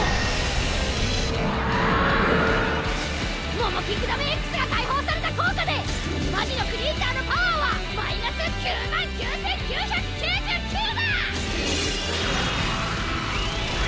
モモキングダムＸが解放された効果でマギのクリーチャーのパワーはマイナス９９９９９だ！